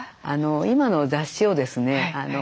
今の雑誌をですね